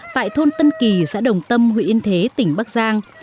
tại thôn tân kỳ xã đồng tâm huyện yên thế tỉnh bắc giang